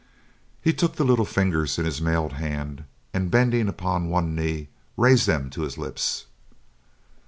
He took the little fingers in his mailed hand, and bending upon one knee raised them to his lips.